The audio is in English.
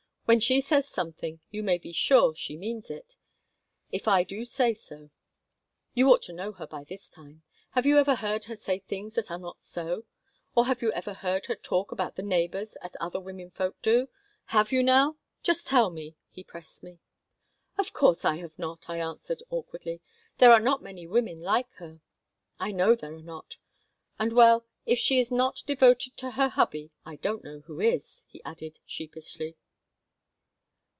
When she says something you may be sure she means it, if I do say so. You ought to know her by this time. Have you ever heard her say things that are not so? Or have you heard her talk about the neighbors as other women folk will do? Have you, now? Just tell me," he pressed me. "Of course I have not," I answered, awkwardly. "There are not many women like her." "I know there are not. And, well, if she is not devoted to her hubby, I don't know who is," he added, sheepishly.